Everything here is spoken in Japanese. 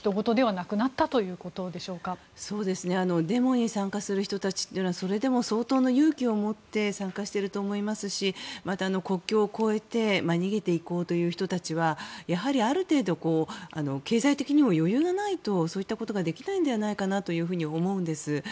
デモに参加する人たちというのはそれでも相当な勇気を持って参加していると思いますしまた、国境を越えて逃げていこうという人たちはやはりある程度経済的にも余裕がないとそういったことができないんじゃないかと思うんです。